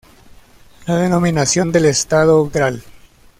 La denominación del Estadio; "Gral.